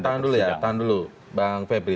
tahan dulu ya tahan dulu bang febri